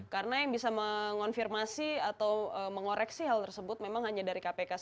karena yang bisa mengonfirmasi atau mengoreksi hal tersebut memang hanya dari kpk saja